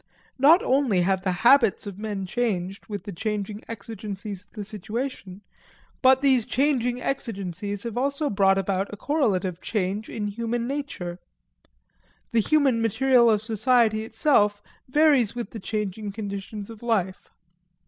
Not only have the habits of men changed with the changing exigencies of the situation, but these changing exigencies have also brought about a correlative change in human nature. The human material of society itself varies with the changing conditions of life.